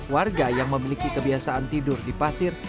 warga yang memiliki kebiasaan tidur di pasir